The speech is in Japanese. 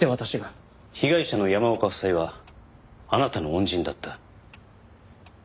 被害者の山岡夫妻はあなたの恩人だった。